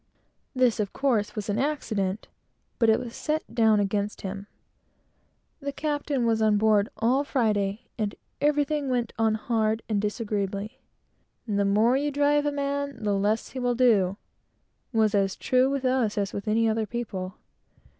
This, of course, was an accident, but it was set down against him. The captain was on board all day Friday, and everything went on hard and disagreeably. "The more you drive a man, the less he will do," was as true with us as with any other people.